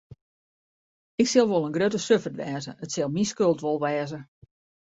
Ik sil wol in grutte suffert wêze, it sil myn skuld wol wêze.